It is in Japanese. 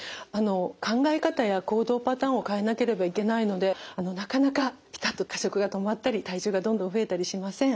考え方や行動パターンを変えなければいけないのでなかなかピタッと過食が止まったり体重がどんどん増えたりしません。